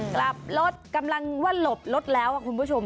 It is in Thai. กลับรถกำลังว่าหลบรถแล้วคุณผู้ชม